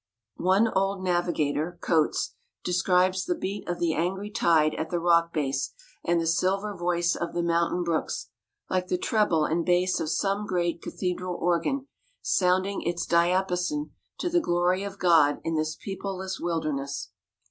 One old navigator Coates describes the beat of the angry tide at the rock base and the silver voice of the mountain brooks, like the treble and bass of some great cathedral organ sounding its diapason to the glory of God in this peopleless wilderness.